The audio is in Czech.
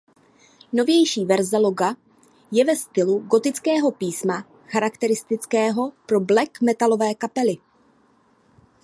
Novější verze loga je ve stylu gotického písma charakteristického pro black metalové kapely.